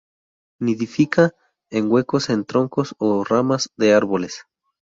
Nidifica en huecos en troncos o ramas de árboles.